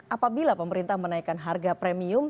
apabila pemerintah menaikkan harga premium